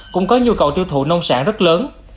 cũng có nhu cầu tiêu thụ nông sản rất lớn